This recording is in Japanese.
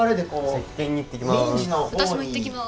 私も行ってきまーす